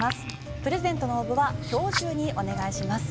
プレゼントの応募は今日中にお願いします。